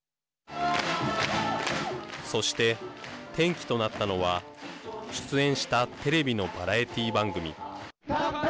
そして転機となったのは出演したテレビのバラエティー番組。